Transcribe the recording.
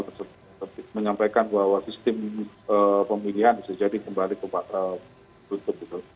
ketika ketua kpu menyampaikan bahwa sistem pemilihan bisa jadi kembali ke waktu itu